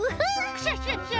クシャシャシャ！